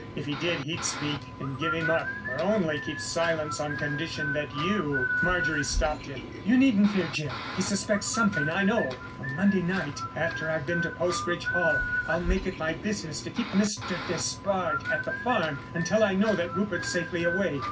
If he did, he'd speak, and give him up, or only keep silence on condition that you——" Marjorie stopped him. "You needn't fear, Jim. He suspects something, I know. On Monday night, after I've been to Post Bridge Hall, I'll make it my business to keep Mr. Despard at the farm until I know that Rupert's safely away.